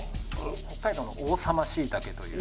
北海道の王様しいたけという。